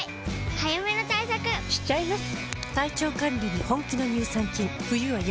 早めの対策しちゃいます。